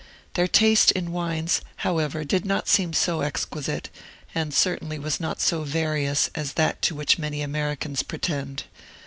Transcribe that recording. Their taste in wines, however, did not seem so exquisite, and certainly was not so various, as that to which many Americans pretend.